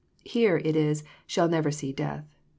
Here it is '* shall never see death."